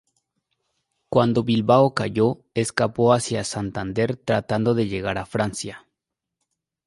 Cuando Bilbao cayó escapó hacia Santander tratando de llegar a Francia.